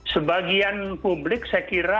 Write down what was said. sebagian publik saya kira